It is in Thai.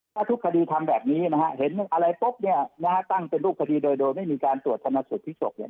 ถ้าทุกคดีทำแบบนี้นะฮะเห็นอะไรปุ๊บเนี่ยนะฮะตั้งเป็นรูปคดีโดยโดยไม่มีการตรวจชนะสูตรพลิกศพเนี่ย